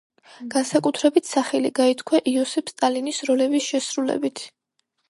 განსაკუთრებით სახელი გაითქვა იოსებ სტალინის როლების შესრულებით.